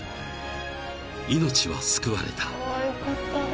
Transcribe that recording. ［命は救われた］